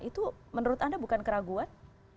itu menurut anda bukan keraguan